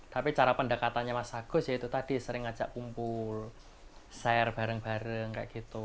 tapi cara pendekatannya mas agus ya itu tadi sering ajak kumpul share bareng bareng kayak gitu